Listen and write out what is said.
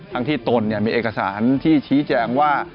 ทั้งที่ตนมีเอกสารที่ชี้แจงว่า